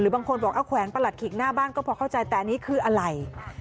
หรือบางคนบอกแขวนประหลัดขีดหน้าบ้านก็พอเข้าใจแต่นี่คืออะไร